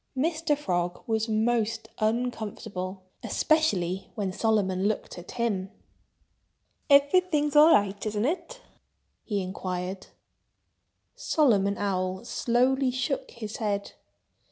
Mr. Frog was most uncomfortable—especially when Solomon looked at him. "Everything's all right, isn't it?" he inquired. Solomon Owl slowly shook his head.